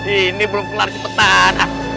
ini belum kelar cepetan